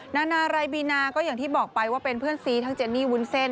นานารายบีนาก็อย่างที่บอกไปว่าเป็นเพื่อนซีทั้งเจนี่วุ้นเส้น